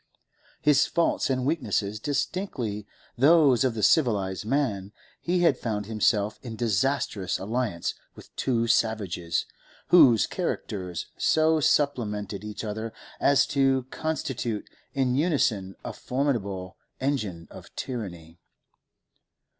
His faults and weaknesses distinctly those of the civilised man, he found himself in disastrous alliance with two savages, whose characters so supplemented each other as to constitute in unison a formidable engine of tyranny.